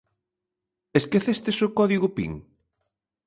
Esquecestes o código pin?